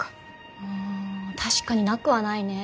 うん確かになくはないね。